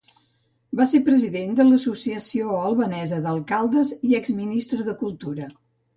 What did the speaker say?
Va ser president de l'Associació Albanesa d'Alcaldes i exministre de Cultura.